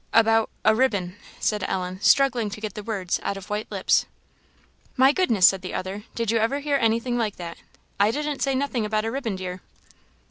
"About a ribbon?" said Ellen, struggling to get the words out of white lips. "My goodness!" said the other; "did you ever hear anything like that? I didn't say nothing about a ribbon, dear."